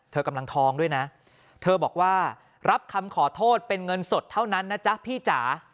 กำลังทองด้วยนะเธอบอกว่ารับคำขอโทษเป็นเงินสดเท่านั้นนะจ๊ะพี่จ๋า